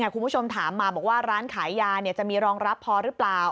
คุณผู้ชมถามมาบอกว่าร้านขายยาจะมีรองรับพอหรือเปล่า